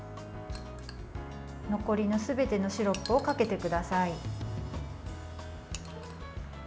残りのすべてのシロップをかけてください。